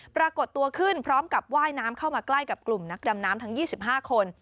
ปรากฏตัวขึ้นพร้อมกับว่ายน้ำเข้ามาใกล้กับกลุ่มนักดำน้ำทั้ง๒๕คน